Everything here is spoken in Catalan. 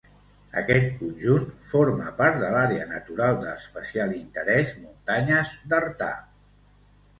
Aquest conjunt forma part de l'Àrea Natural d'Especial Interès Muntanyes d'Artà.